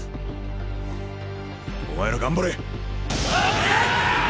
お前ら頑張れ！